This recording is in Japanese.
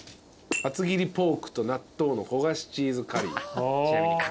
角切りポークと納豆の焦がしチーズカリーに。